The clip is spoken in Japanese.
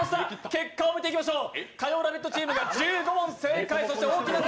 結果を見ていきましょう。